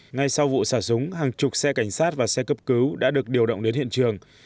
ngay sau vụ xả súng hàng chục xe cảnh sát và xe cấp cứu đã được điều động đến hiện trường